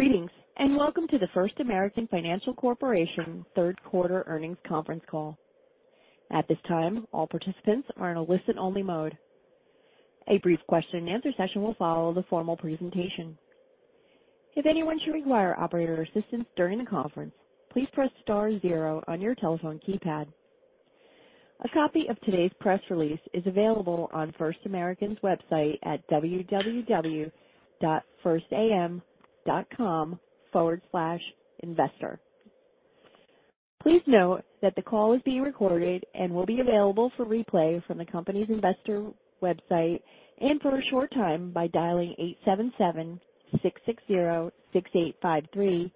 Greetings, and welcome to the First American Financial Corporation third quarter earnings conference call. At this time, all participants are in a listen-only mode. A brief question-and-answer session will follow the formal presentation. If anyone should require operator assistance during the conference, please press star zero on your telephone keypad. A copy of today's press release is available on First American's website at www.firstam.com/investor. Please note that the call is being recorded and will be available for replay from the company's investor website and for a short time by dialing 877-660-6853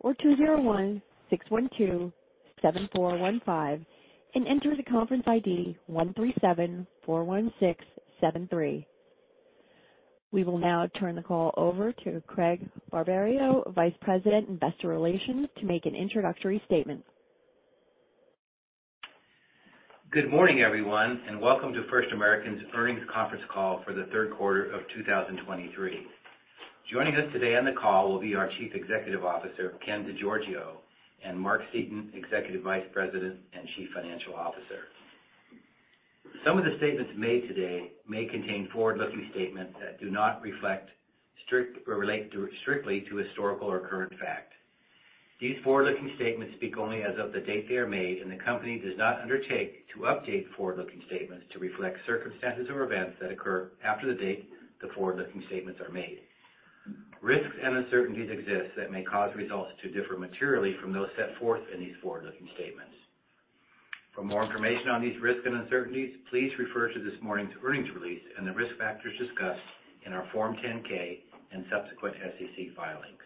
or 201-612-7415 and enter the conference ID 13741673. We will now turn the call over to Craig Barberio, Vice President, Investor Relations, to make an introductory statement. Good morning, everyone, and welcome to First American's Earnings Conference Call for the Q3 of 2023. Joining us today on the call will be our Chief Executive Officer, Ken DeGiorgio, and Mark Seaton, Executive Vice President and Chief Financial Officer. Some of the statements made today may contain forward-looking statements that do not reflect or relate strictly to historical or current fact. These forward-looking statements speak only as of the date they are made, and the company does not undertake to update forward-looking statements to reflect circumstances or events that occur after the date the forward-looking statements are made. Risks and uncertainties exist that may cause results to differ materially from those set forth in these forward-looking statements. For more information on these risks and uncertainties, please refer to this morning's earnings release and the risk factors discussed in our Form 10-K and subsequent SEC filings.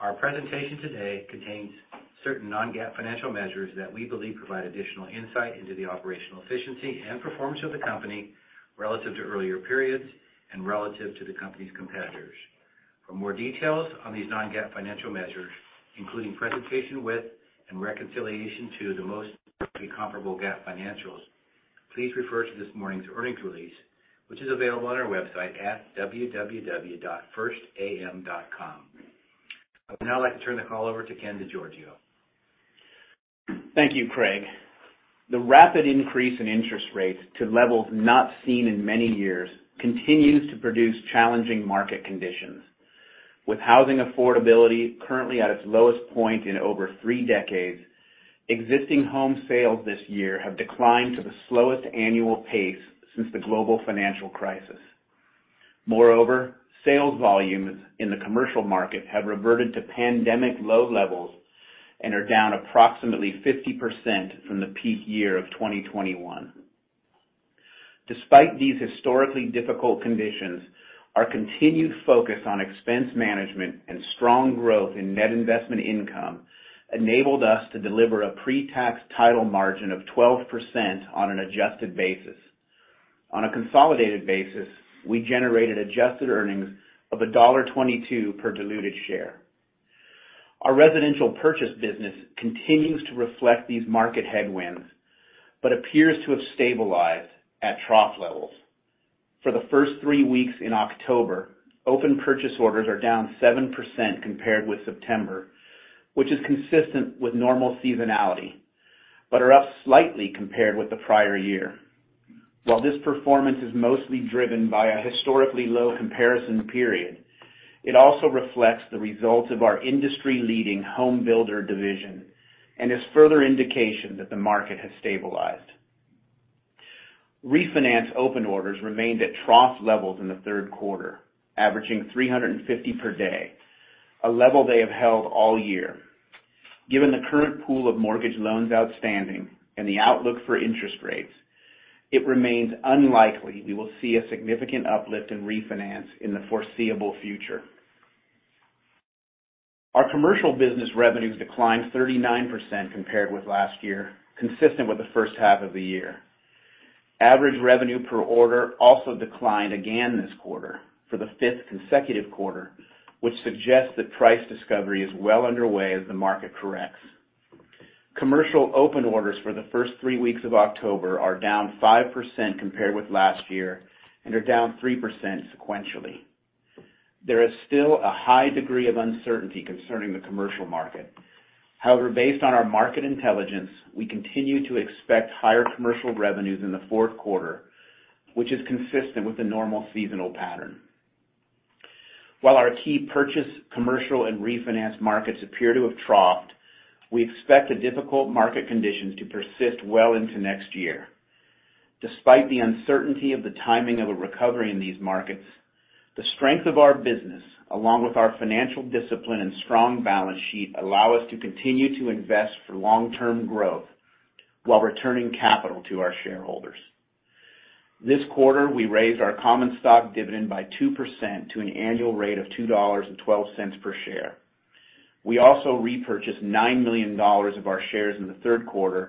Our presentation today contains certain non-GAAP financial measures that we believe provide additional insight into the operational efficiency and performance of the company relative to earlier periods and relative to the company's competitors. For more details on these non-GAAP financial measures, including presentation with and reconciliation to the most comparable GAAP financials, please refer to this morning's earnings release, which is available on our website at www.firstam.com. I would now like to turn the call over to Ken DeGiorgio. Thank you, Craig. The rapid increase in interest rates to levels not seen in many years continues to produce challenging market conditions. With housing affordability currently at its lowest point in over three decades, existing home sales this year have declined to the slowest annual pace since the global financial crisis. Moreover, sales volumes in the commercial market have reverted to pandemic low levels and are down approximately 50% from the peak year of 2021. Despite these historically difficult conditions, our continued focus on expense management and strong growth in net investment income enabled us to deliver a pre-tax title margin of 12% on an adjusted basis. On a consolidated basis, we generated adjusted earnings of $1.22 per diluted share. Our residential purchase business continues to reflect these market headwinds, but appears to have stabilized at trough levels. For the first 3 weeks in October, open purchase orders are down 7% compared with September, which is consistent with normal seasonality, but are up slightly compared with the prior year. While this performance is mostly driven by a historically low comparison period, it also reflects the results of our industry-leading home builder division and is further indication that the market has stabilized. Refinance open orders remained at trough levels in the Q3, averaging 350 per day, a level they have held all year. Given the current pool of mortgage loans outstanding and the outlook for interest rates, it remains unlikely we will see a significant uplift in refinance in the foreseeable future. Our commercial business revenues declined 39% compared with last year, consistent with the first half of the year. Average revenue per order also declined again this quarter for the fifth consecutive quarter, which suggests that price discovery is well underway as the market corrects. Commercial open orders for the first three weeks of October are down 5% compared with last year and are down 3% sequentially. There is still a high degree of uncertainty concerning the commercial market. However, based on our market intelligence, we continue to expect higher commercial revenues in the Q4, which is consistent with the normal seasonal pattern. While our key purchase, commercial, and refinance markets appear to have troughed, we expect the difficult market conditions to persist well into next year. Despite the uncertainty of the timing of a recovery in these markets, the strength of our business, along with our financial discipline and strong balance sheet, allow us to continue to invest for long-term growth while returning capital to our shareholders. This quarter, we raised our common stock dividend by 2% to an annual rate of $2.12 per share. We also repurchased $9 million of our shares in the Q3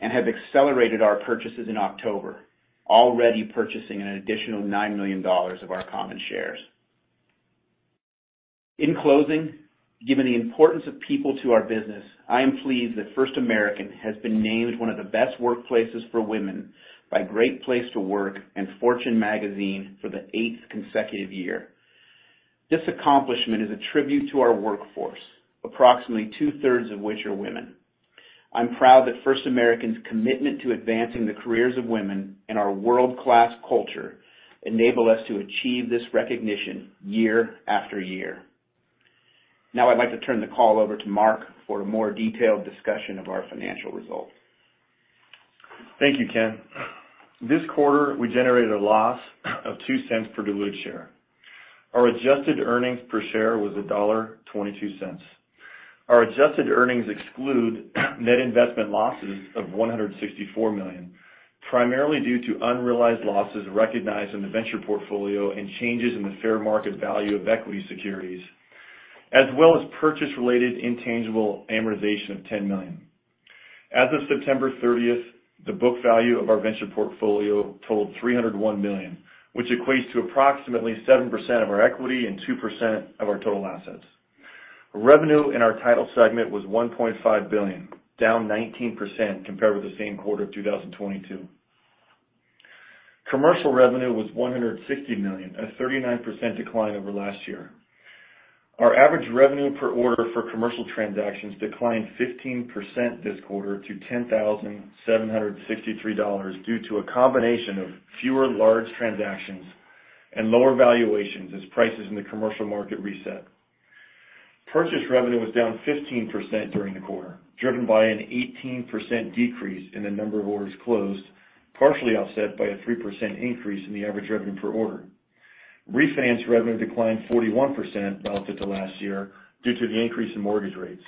and have accelerated our purchases in October, already purchasing an additional $9 million of our common shares.... In closing, given the importance of people to our business, I am pleased that First American has been named one of the best workplaces for women by Great Place to Work and Fortune Magazine for the eighth consecutive year. This accomplishment is a tribute to our workforce, approximately two-thirds of which are women. I'm proud that First American's commitment to advancing the careers of women and our world-class culture enable us to achieve this recognition year after year. Now, I'd like to turn the call over to Mark for a more detailed discussion of our financial results. Thank you, Ken. This quarter, we generated a loss of $0.02 per diluted share. Our adjusted earnings per share was $1.22. Our adjusted earnings exclude net investment losses of $164 million, primarily due to unrealized losses recognized in the venture portfolio and changes in the fair market value of equity securities, as well as purchase-related intangible amortization of $10 million. As of September 30, the book value of our venture portfolio totaled $301 million, which equates to approximately 7% of our equity and 2% of our total assets. Revenue in our title segment was $1.5 billion, down 19% compared with the same quarter of 2022. Commercial revenue was $160 million, a 39% decline over last year. Our average revenue per order for commercial transactions declined 15% this quarter to $10,763, due to a combination of fewer large transactions and lower valuations as prices in the commercial market reset. Purchase revenue was down 15% during the quarter, driven by an 18% decrease in the number of orders closed, partially offset by a 3% increase in the average revenue per order. Refinance revenue declined 41% relative to last year due to the increase in mortgage rates.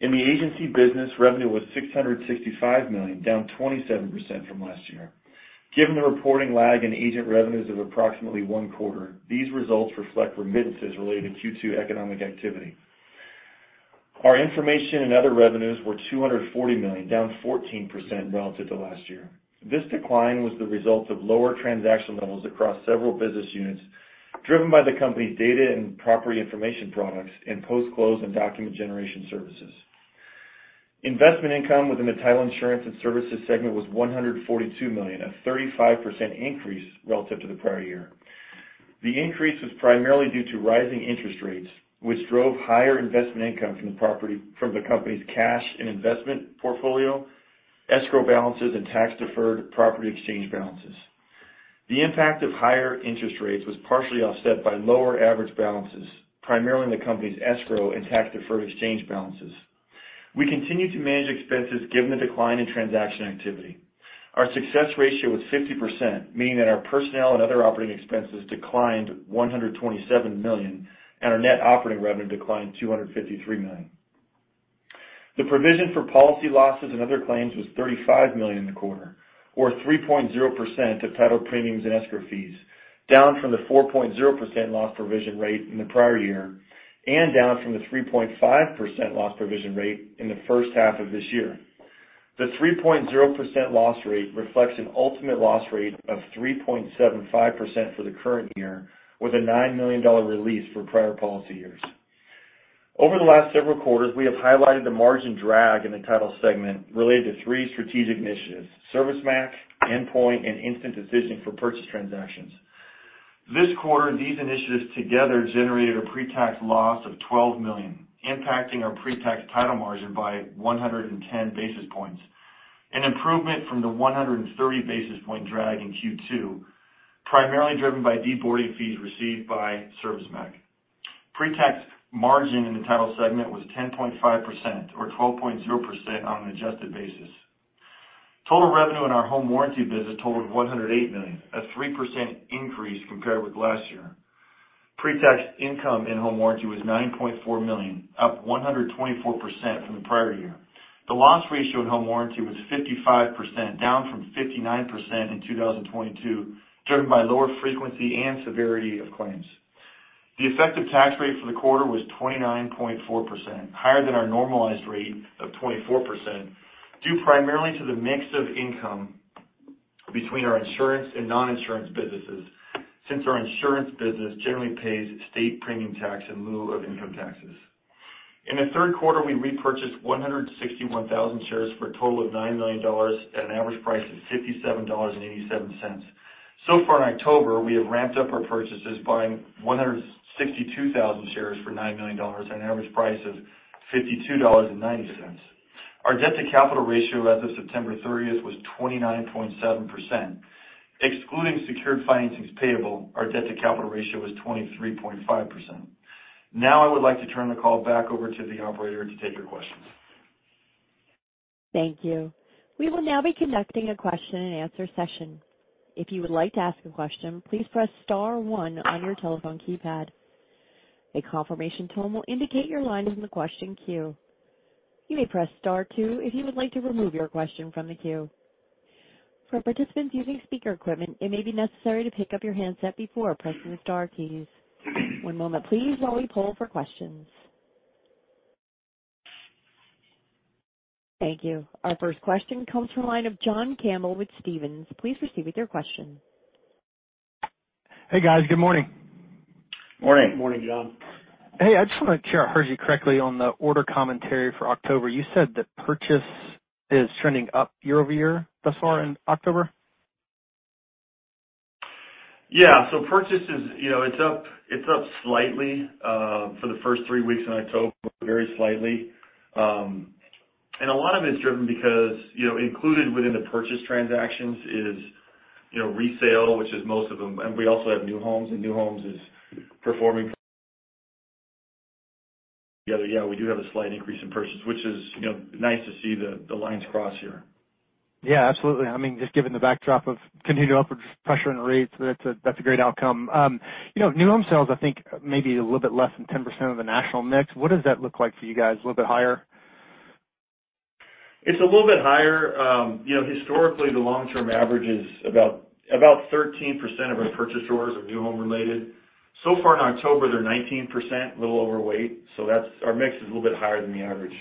In the agency business, revenue was $665 million, down 27% from last year. Given the reporting lag in agent revenues of approximately 1 quarter, these results reflect remittances related to Q2 economic activity. Our information and other revenues were $240 million, down 14% relative to last year. This decline was the result of lower transaction levels across several business units, driven by the company's data and property information products and post-close and document generation services. Investment income within the title insurance and services segment was $142 million, a 35% increase relative to the prior year. The increase was primarily due to rising interest rates, which drove higher investment income from the company's cash and investment portfolio, escrow balances, and tax-deferred property exchange balances. The impact of higher interest rates was partially offset by lower average balances, primarily in the company's escrow and tax-deferred exchange balances. We continue to manage expenses given the decline in transaction activity. Our success ratio was 50%, meaning that our personnel and other operating expenses declined $127 million, and our net operating revenue declined $253 million. The provision for policy losses and other claims was $35 million in the quarter, or 3.0% of title premiums and escrow fees, down from the 4.0% loss provision rate in the prior year and down from the 3.5% loss provision rate in the first half of this year. The 3.0% loss rate reflects an ultimate loss rate of 3.75% for the current year, with a $9 million release for prior policy years. Over the last several quarters, we have highlighted the margin drag in the title segment related to three strategic initiatives: ServiceMac, Endpoint, and Instant Decision for purchase transactions. This quarter, these initiatives together generated a pretax loss of $12 million, impacting our pretax title margin by 110 basis points, an improvement from the 130 basis point drag in Q2, primarily driven by deboarding fees received by ServiceMac. Pretax margin in the title segment was 10.5% or 12.0% on an adjusted basis. Total revenue in our home warranty business totaled $108 million, a 3% increase compared with last year. Pretax income in home warranty was $9.4 million, up 124% from the prior year. The loss ratio in home warranty was 55%, down from 59% in 2022, driven by lower frequency and severity of claims. The effective tax rate for the quarter was 29.4%, higher than our normalized rate of 24%, due primarily to the mix of income between our insurance and non-insurance businesses, since our insurance business generally pays state premium tax in lieu of income taxes. In the third quarter, we repurchased 161,000 shares for a total of $9 million at an average price of $57.87. So far in October, we have ramped up our purchases, buying 162,000 shares for $9 million at an average price of $52.90. Our debt-to-capital ratio as of September 30th was 29.7%. Excluding secured financings payable, our debt-to-capital ratio was 23.5%. Now, I would like to turn the call back over to the operator to take your questions. Thank you. We will now be conducting a question-and-answer session. If you would like to ask a question, please press star one on your telephone keypad. A confirmation tone will indicate your line in the question queue. You may press star two if you would like to remove your question from the queue. For participants using speaker equipment, it may be necessary to pick up your handset before pressing the star keys. One moment, please, while we poll for questions. Thank you. Our first question comes from the line of John Campbell with Stephens. Please proceed with your question. Hey, guys. Good morning. Morning. Morning, John. Hey, I just want to make sure I heard you correctly on the order commentary for October. You said that purchase is trending up year-over-year thus far in October? Yeah. So purchase is, you know, it's up, it's up slightly for the first three weeks in October, very slightly. And a lot of it is driven because, you know, included within the purchase transactions is, you know, resale, which is most of them, and we also have new homes, and new homes is performing... Yeah, yeah, we do have a slight increase in purchases, which is, you know, nice to see the, the lines cross here. Yeah, absolutely. I mean, just given the backdrop of continued upward pressure on rates, that's a great outcome. You know, new home sales, I think, may be a little bit less than 10% of the national mix. What does that look like for you guys? A little bit higher? It's a little bit higher. You know, historically, the long-term average is about 13% of our purchasers are new home-related. So far in October, they're 19%, a little overweight, so that's our mix is a little bit higher than the average.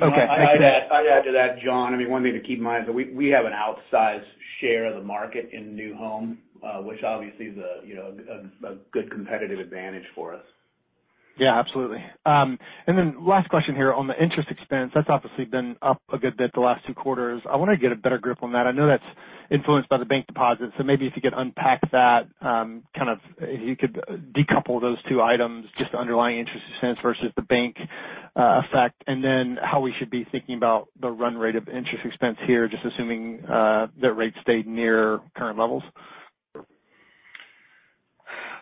Okay, thank you. I'd add to that, John. I mean, one thing to keep in mind that we have an outsized share of the market in new home, which obviously is a, you know, a good competitive advantage for us. Yeah, absolutely. And then last question here on the interest expense, that's obviously been up a good bit the last two quarters. I want to get a better grip on that. I know that's influenced by the bank deposits, so maybe if you could unpack that, kind of if you could decouple those two items, just the underlying interest expense versus the bank effect, and then how we should be thinking about the run rate of interest expense here, just assuming that rates stayed near current levels.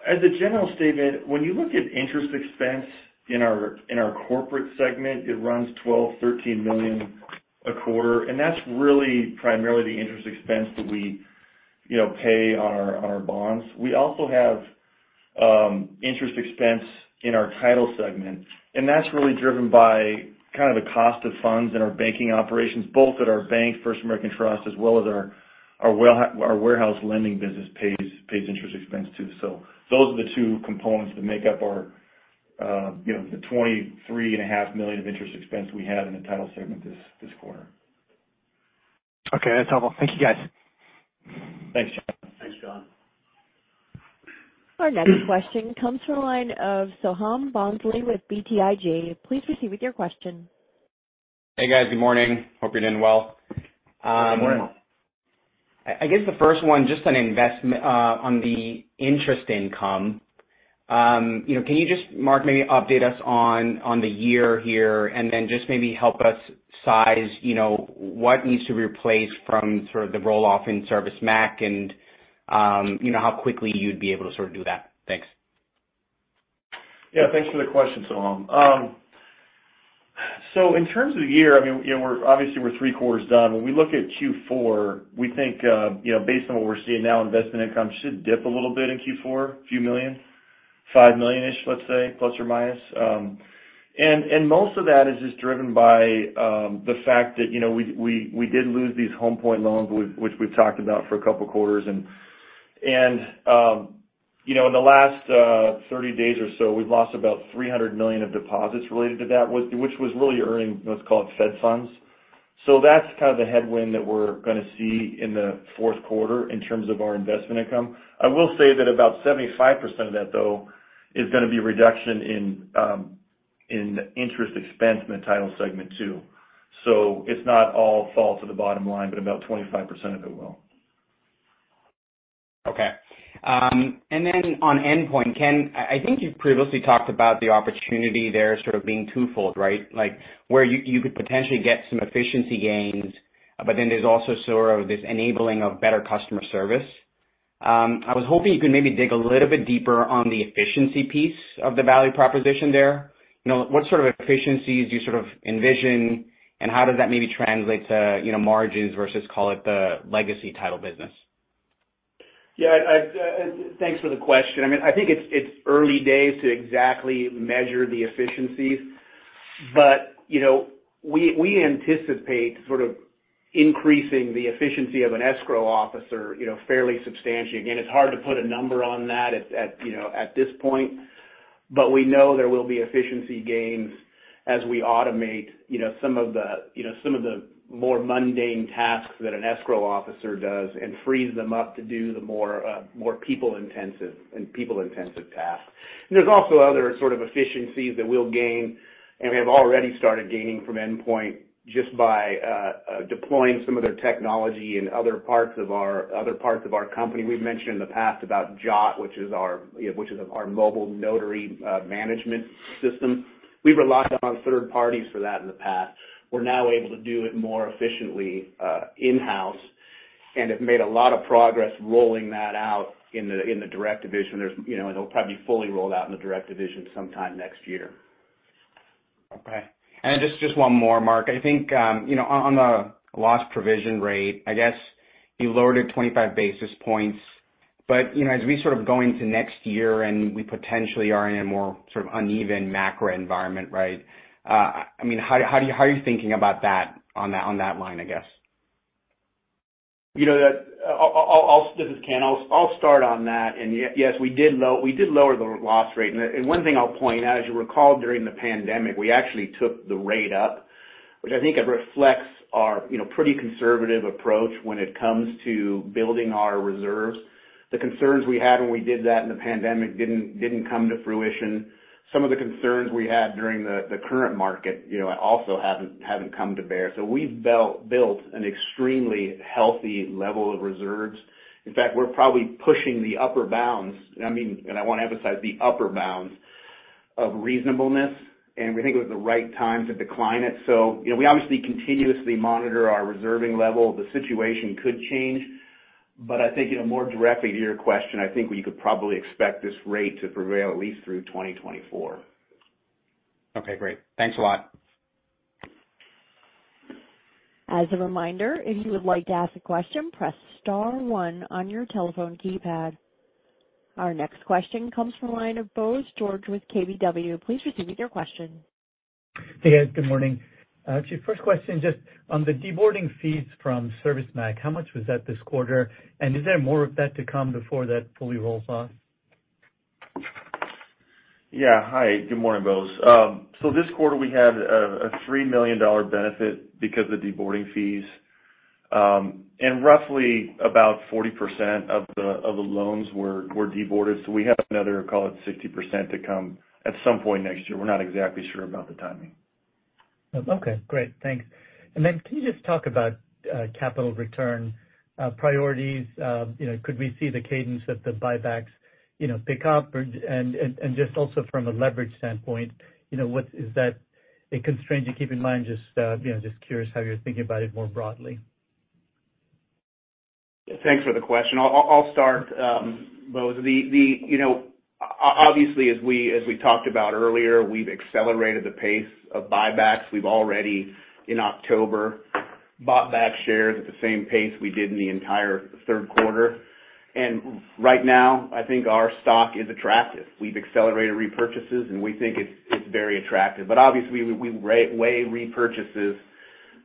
As a general statement, when you look at interest expense in our corporate segment, it runs $12-$13 million a quarter, and that's really primarily the interest expense that we, you know, pay on our bonds. We also have interest expense in our title segment, and that's really driven by kind of the cost of funds in our banking operations, both at our bank, First American Trust, as well as our warehouse lending business pays interest expense, too. So those are the two components that make up our, you know, the $23.5 million of interest expense we had in the title segment this quarter. Okay, that's helpful. Thank you, guys. Thanks, John. Thanks, John. Our next question comes from the line of Soham Bhonsle with BTIG. Please proceed with your question. Hey, guys. Good morning. Hope you're doing well. Good morning. I guess the first one, just on the interest income. You know, can you just, Mark, maybe update us on the year here, and then just maybe help us size, you know, what needs to be replaced from sort of the roll-off in ServiceMac, and you know, how quickly you'd be able to sort of do that? Thanks. Yeah, thanks for the question, Soham. In terms of the year, I mean, you know, we're obviously three quarters done. When we look at Q4, we think, you know, based on what we're seeing now, investment income should dip a little bit in Q4, a few million, $5 million-ish, let's say, plus or minus. Most of that is just driven by the fact that, you know, we did lose these Homepoint loans, which we've talked about for a couple of quarters. In the last 30 days or so, we've lost about $300 million of deposits related to that, which was really earning what's called Fed funds. That's kind of the headwind that we're gonna see in the fourth quarter in terms of our investment income. I will say that about 75% of that, though, is gonna be a reduction in, in interest expense in the title segment, too. So it's not all fall to the bottom line, but about 25% of it will. Okay. And then on Endpoint, Ken, I, I think you've previously talked about the opportunity there sort of being twofold, right? Like, where you, you could potentially get some efficiency gains, but then there's also sort of this enabling of better customer service. I was hoping you could maybe dig a little bit deeper on the efficiency piece of the value proposition there. You know, what sort of efficiencies do you sort of envision, and how does that maybe translate to, you know, margins versus, call it, the legacy title business? Yeah, I, I, thanks for the question. I mean, I think it's early days to exactly measure the efficiencies, but, you know, we anticipate sort of increasing the efficiency of an escrow officer, you know, fairly substantially. Again, it's hard to put a number on that at, you know, at this point, but we know there will be efficiency gains as we automate, you know, some of the, you know, some of the more mundane tasks that an escrow officer does and frees them up to do the more, more people-intensive and people-intensive tasks. There's also other sort of efficiencies that we'll gain, and we have already started gaining from Endpoint just by deploying some of their technology in other parts of our, other parts of our company. We've mentioned in the past about Jot, which is our, you know, which is our mobile notary management system. We've relied upon third parties for that in the past. We're now able to do it more efficiently in-house, and have made a lot of progress rolling that out in the direct division. There's, you know, it'll probably be fully rolled out in the direct division sometime next year. Okay. And just, just one more, Mark. I think, you know, on, on the loss provision rate, I guess you lowered it 25 basis points, but, you know, as we sort of go into next year, and we potentially are in a more sort of uneven macro environment, right? I mean, how, how are you thinking about that on that, on that line, I guess?... You know that, I'll, this is Ken. I'll start on that. And yes, we did lower the loss rate. And one thing I'll point out, as you recall, during the pandemic, we actually took the rate up, which I think it reflects our, you know, pretty conservative approach when it comes to building our reserves. The concerns we had when we did that in the pandemic didn't come to fruition. Some of the concerns we had during the current market, you know, also haven't come to bear. So we've built an extremely healthy level of reserves. In fact, we're probably pushing the upper bounds, I mean, and I want to emphasize, the upper bounds of reasonableness, and we think it was the right time to decline it. So, you know, we obviously continuously monitor our reserving level. The situation could change, but I think, you know, more directly to your question, I think we could probably expect this rate to prevail at least through 2024. Okay, great. Thanks a lot. As a reminder, if you would like to ask a question, press star one on your telephone keypad. Our next question comes from line of Bose George with KBW. Please proceed with your question. Hey, guys. Good morning. So first question, just on the deboarding fees from ServiceMac, how much was that this quarter? And is there more of that to come before that fully rolls off? Yeah. Hi, good morning, Bose. So this quarter, we had a $3 million benefit because of deboarding fees. And roughly about 40% of the loans were deboarded. So we have another, call it 60% to come at some point next year. We're not exactly sure about the timing. Okay, great. Thanks. And then can you just talk about capital return priorities? You know, could we see the cadence that the buybacks, you know, pick up? Or, and just also from a leverage standpoint, you know, what is that a constraint to keep in mind? Just, you know, just curious how you're thinking about it more broadly. Thanks for the question. I'll start, Bose. The, you know, obviously, as we talked about earlier, we've accelerated the pace of buybacks. We've already, in October, bought back shares at the same pace we did in the entire third quarter. And right now, I think our stock is attractive. We've accelerated repurchases, and we think it's very attractive. But obviously, we weigh repurchases,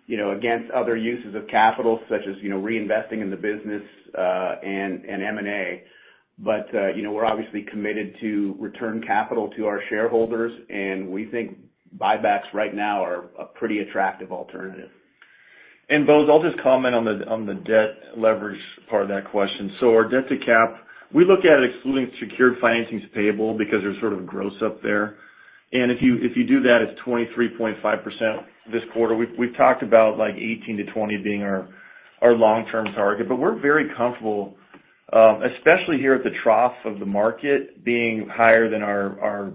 you know, against other uses of capital, such as, you know, reinvesting in the business and M&A. But, you know, we're obviously committed to return capital to our shareholders, and we think buybacks right now are a pretty attractive alternative. And Bose, I'll just comment on the debt leverage part of that question. So our debt to cap, we look at it excluding secured financings payable because there's sort of a gross up there. And if you do that, it's 23.5% this quarter. We've talked about, like, 18-20 being our long-term target, but we're very comfortable, especially here at the trough of the market, being higher than our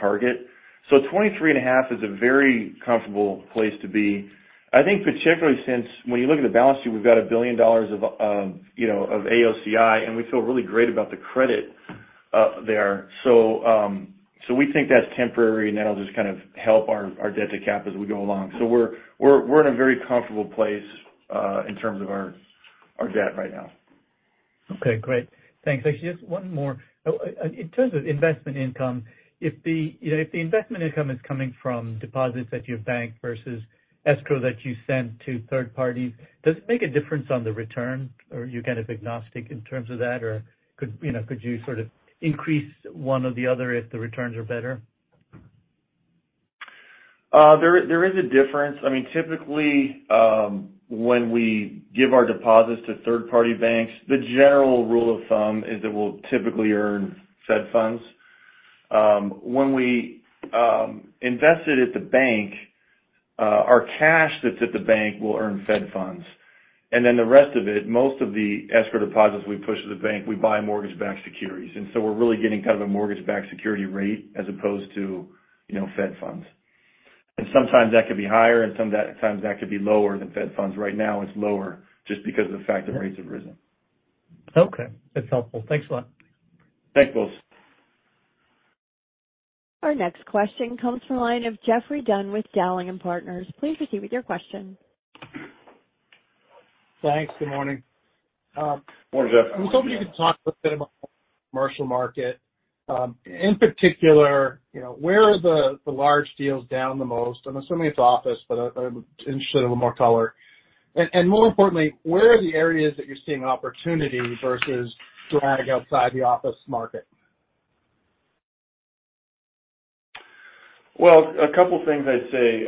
target. So 23.5 is a very comfortable place to be. I think particularly since when you look at the balance sheet, we've got $1 billion of, you know, of AOCI, and we feel really great about the credit there. So, so we think that's temporary, and that'll just kind of help our debt to cap as we go along. So we're in a very comfortable place in terms of our debt right now. Okay, great. Thanks. Actually, just one more. In terms of investment income, you know, if the investment income is coming from deposits at your bank versus Escrow that you send to third parties, does it make a difference on the return, or are you kind of agnostic in terms of that? Or you know, could you sort of increase one or the other if the returns are better? There is a difference. I mean, typically, when we give our deposits to third-party banks, the general rule of thumb is that we'll typically earn Fed funds. When we invest it at the bank, our cash that's at the bank will earn Fed funds. And then the rest of it, most of the escrow deposits we push to the bank, we buy mortgage-backed securities. And so we're really getting kind of a mortgage-backed security rate as opposed to, you know, Fed funds. And sometimes that could be higher, and sometimes that could be lower than Fed funds. Right now, it's lower just because of the fact that rates have risen. Okay, that's helpful. Thanks a lot. Thanks, Bose. Our next question comes from the line of Geoffrey Dunn with Dowling and Partners. Please proceed with your question. Thanks. Good morning. Morning, Jeff. I was hoping you could talk a bit about the commercial market. In particular, you know, where are the large deals down the most? I'm assuming it's office, but I'm interested in a little more color. And more importantly, where are the areas that you're seeing opportunity versus drag outside the office market? Well, a couple things I'd say.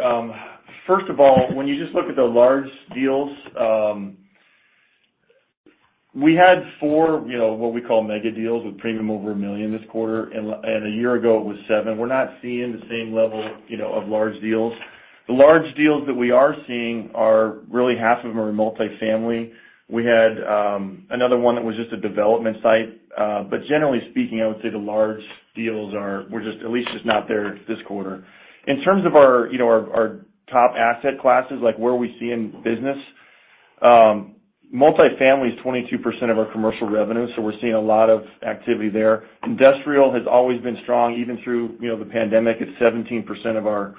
First of all, when you just look at the large deals, we had 4, you know, what we call mega deals with premium over $1 million this quarter, and a year ago it was 7. We're not seeing the same level, you know, of large deals. The large deals that we are seeing are, really half of them are multifamily. We had another one that was just a development site. But generally speaking, I would say the large deals are, we're just at least just not there this quarter. In terms of our, you know, our, our top asset classes, like where we see in business, multifamily is 22% of our commercial revenue, so we're seeing a lot of activity there. Industrial has always been strong, even through, you know, the pandemic. It's 17% of our,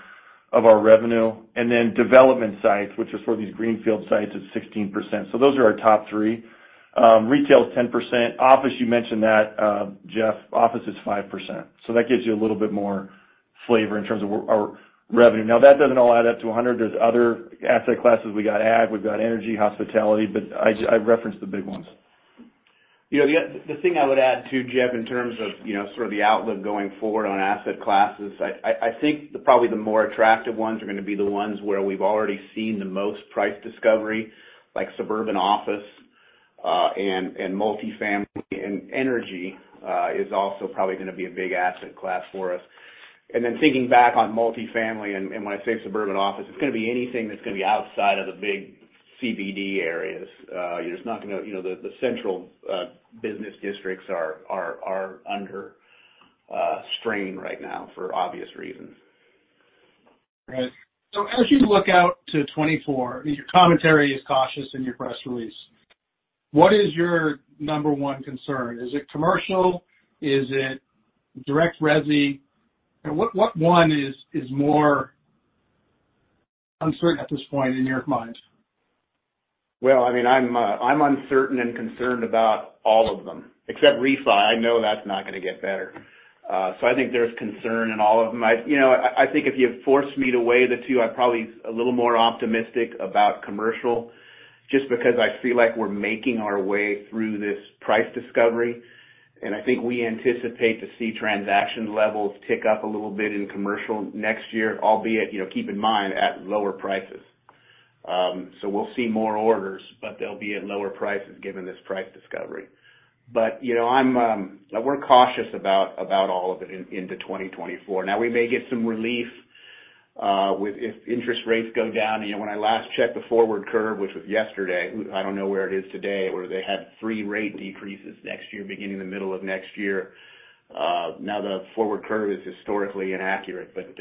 of our revenue. And then development sites, which are sort of these greenfield sites, is 16%. So those are our top three. Retail is 10%. Office, you mentioned that, Jeff. Office is 5%. So that gives you a little bit more color... flavor in terms of our, our revenue. Now, that doesn't all add up to 100. There's other asset classes. We've got ag, we've got energy, hospitality, but I referenced the big ones. You know, the thing I would add, too, Jeff, in terms of, you know, sort of the outlook going forward on asset classes, I think probably the more attractive ones are gonna be the ones where we've already seen the most price discovery, like suburban office, and multifamily and energy, is also probably gonna be a big asset class for us. You know, thinking back on multifamily, and when I say suburban office, it's gonna be anything that's gonna be outside of the big CBD areas. It's not gonna, you know, the central business districts are under strain right now for obvious reasons. Right. So as you look out to 2024, your commentary is cautious in your press release. What is your number one concern? Is it commercial? Is it direct resi? Now, what, what one is, is more uncertain at this point in your minds? Well, I mean, I'm uncertain and concerned about all of them, except refi. I know that's not gonna get better. So I think there's concern in all of them. You know, I think if you forced me to weigh the two, I'm probably a little more optimistic about commercial, just because I feel like we're making our way through this price discovery. And I think we anticipate to see transaction levels tick up a little bit in commercial next year albeit you know keep in mind, at lower prices. So we'll see more orders, but they'll be at lower prices given this price discovery. You know, I'm... we're cautious about all of it into 2024. Now, we may get some relief if interest rates go down. You know, when I last checked the forward curve, which was yesterday, ooh, I don't know where it is today, where they had three rate decreases next year, beginning in the middle of next year. Now, the forward curve is historically inaccurate, but,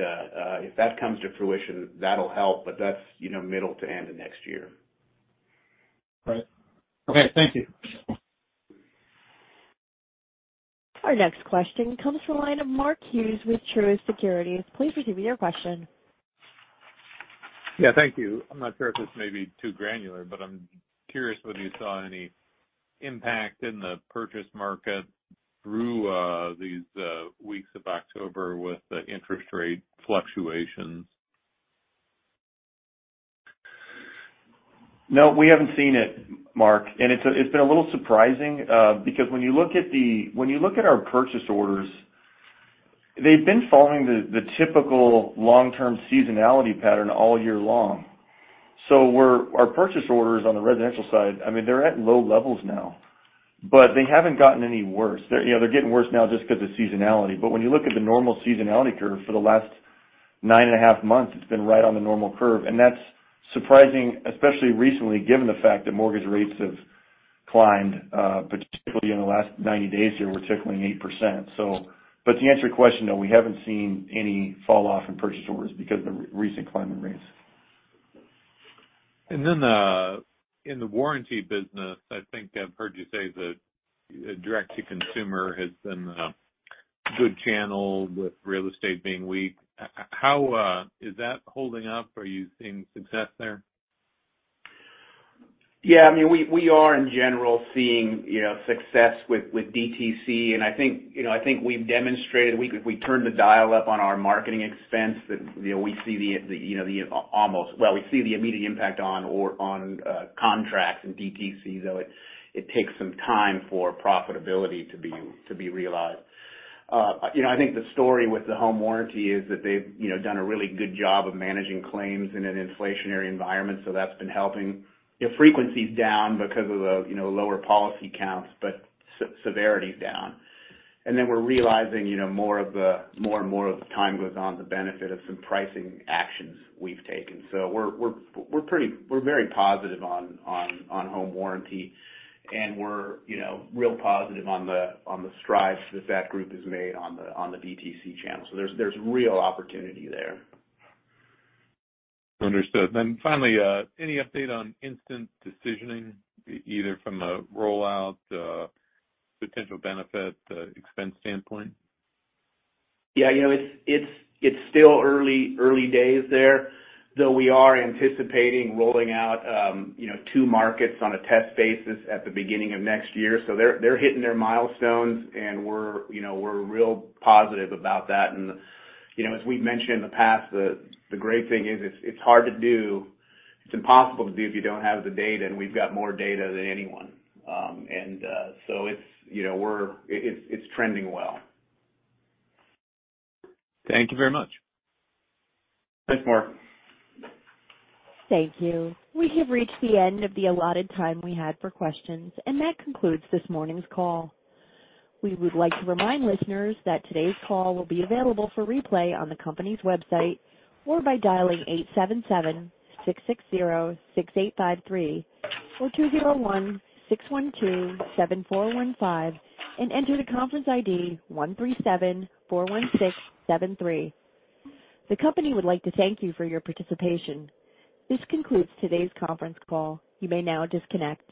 if that comes to fruition, that'll help, but that's, you know, middle to end of next year. Right. Okay, thank you. Our next question comes from the line of Mark Hughes with Truist Securities. Please proceed with your question. Yeah, thank you. I'm not sure if this may be too granular, but I'm curious whether you saw any impact in the purchase market through these weeks of October with the interest rate fluctuations? No, we haven't seen it, Mark, and it's been a little surprising because when you look at our purchase orders, they've been following the typical long-term seasonality pattern all year long. So our purchase orders on the residential side, I mean, they're at low levels now, but they haven't gotten any worse. They're, you know, they're getting worse now just because of seasonality. But when you look at the normal seasonality curve for the last nine and a half months, it's been right on the normal curve, and that's surprising, especially recently, given the fact that mortgage rates have climbed, particularly in the last 90 days here, we're tickling 8%. So, but to answer your question, though, we haven't seen any falloff in purchase orders because of the recent climb in rates. Then, in the warranty business, I think I've heard you say that direct-to-consumer has been a good channel with real estate being weak. How is that holding up? Are you seeing success there? Yeah, I mean, we are in general seeing, you know, success with DTC, and I think, you know, I think we've demonstrated, we turned the dial up on our marketing expense, that, you know, we see the immediate impact on contracts and DTC, though it takes some time for profitability to be realized. You know, I think the story with the home warranty is that they've, you know, done a really good job of managing claims in an inflationary environment, so that's been helping. You know, frequency is down because of lower policy counts, but severity is down. And then we're realizing, you know, more and more as time goes on, the benefit of some pricing actions we've taken. So we're very positive on home warranty, and we're, you know, real positive on the strides that group has made on the DTC channel. So there's real opportunity there. Understood. Then finally, any update on instant decisioning, either from a rollout, potential benefit, expense standpoint? Yeah, you know, it's still early days there, though we are anticipating rolling out, you know, two markets on a test basis at the beginning of next year. So they're hitting their milestones, and we're, you know, we're real positive about that. And, you know, as we've mentioned in the past, the great thing is it's hard to do. It's impossible to do if you don't have the data, and we've got more data than anyone. So it's, you know, it's trending well. Thank you very much. Thanks, Mark. Thank you. We have reached the end of the allotted time we had for questions, and that concludes this morning's call. We would like to remind listeners that today's call will be available for replay on the company's website, or by dialing 877-660-6853, or 201-612-7415, and enter the conference ID 13741673. The company would like to thank you for your participation. This concludes today's conference call. You may now disconnect.